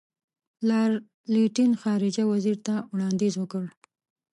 لارډ لیټن خارجه وزیر ته وړاندیز وکړ.